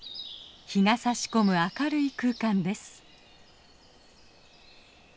日がさし込む明るい空間です。